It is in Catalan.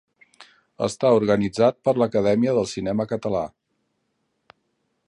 Està organitzat per l'Acadèmia del Cinema Català.